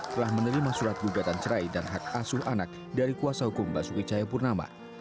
telah menerima surat gugatan cerai dan hak asur anak dari kuasa hukum basu icaya purnama